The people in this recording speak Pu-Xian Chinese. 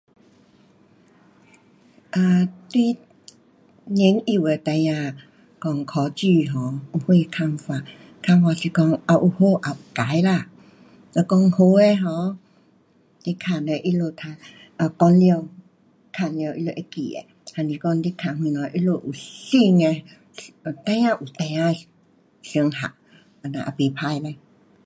um 你年幼的孩儿有考试 um 问我看法，有好也有坏啦。如讲好的啊。你问他们有新的。孩儿有孩儿的想法。很好。